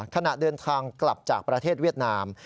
ขณะเดินทางกลับจากประเทศเวียดนาม